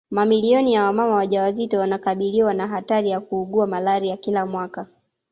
Mamilioni ya mama wajawazito wanakabiliwa na hatari ya kuugua malaria kila mwaka